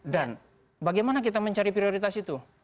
dan bagaimana kita mencari prioritas itu